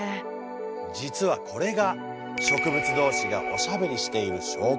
実はこれが植物同士がおしゃべりしている証拠。